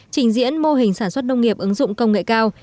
trình diễn mô hình sản xuất nông nghiệp ứng dụng công nghệ cao